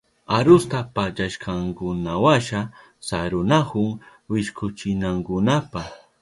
Arusta pallashkankunawasha sarunahun wishkuchinankunapa.